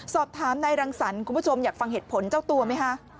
สอบถามนายรังสรรค์คุณผู้ชมอยากฟังเหตุผลเจ้าตัวไหมคะ